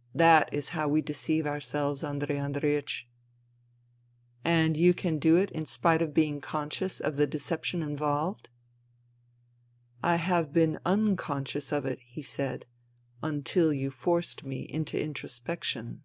... That is how we deceive ourselves, Andrei Andreiech." " And you can do it in spite of being conscious of the deception involved ?"" I have been unconscious of it," he said, " until you forced me into introspection."